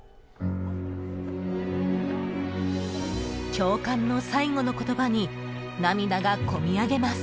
［教官の最後の言葉に涙が込み上げます］